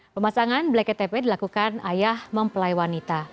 pemasangan bleket tepe dilakukan ayah mempelai wanita